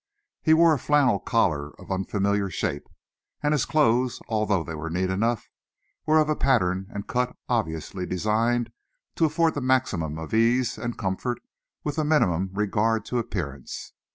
He wore a flannel collar of unfamiliar shape, and his clothes, although they were neat enough, were of a pattern and cut obviously designed to afford the maximum of ease and comfort with the minimum regard to appearance.